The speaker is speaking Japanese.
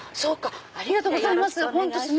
ありがとうございます。